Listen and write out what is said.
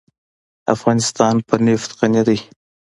افغانستان په نفت غني دی.